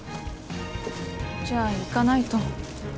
じゃあ行かないと。